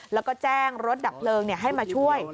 แล้วก็แจ้งรถดับเพลิงให้มาช่วย